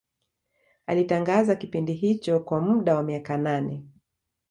Alitangaza kipindi hicho kwa muda wa miaka nane